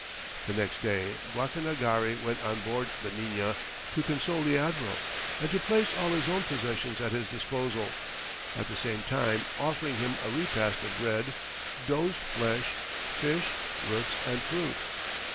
The next day Guacanagari went on board the Nina, to console the admiral, and to place all his own possessions at his disposal, at the same time offering him a repast of bread, doe's flesh, fish, roots, and fruit.